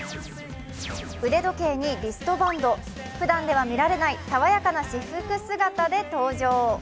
腕時計にリストバンド、ふだんでは見られない爽やかな私服姿で登場。